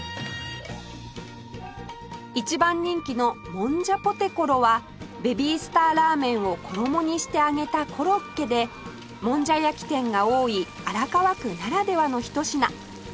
一番人気のもんじゃポテコロはベビースターラーメンを衣にして揚げたコロッケでもんじゃ焼き店が多い荒川区ならではのひと品